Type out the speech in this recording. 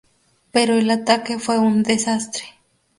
Pero el ataque fue un desastre.